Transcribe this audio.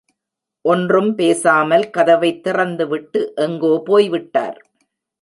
ஒன்றும் பேசாமல் கதவைத் திறந்துவிட்டு, எங்கோ போய்விட்டார்.